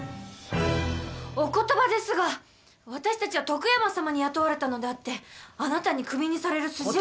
お言葉ですが私たちは徳山様に雇われたのであってあなたにクビにされる筋合いは。